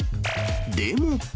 でも。